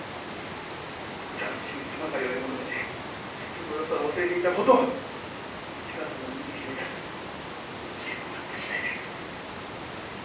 斬新さばかりを追い求めて普通のよさを忘れていたことを市川さんの人魚姫たちに教えてもらった次第です。